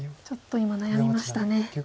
ちょっと今悩みましたね。